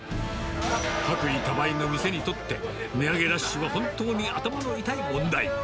薄利多売の店にとって、値上げラッシュは本当に頭の痛い問題。